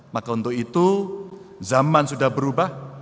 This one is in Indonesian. maka untuk itu zaman sudah berubah